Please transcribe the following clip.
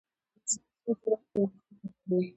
انسان څو جوړه کروموزومونه لري؟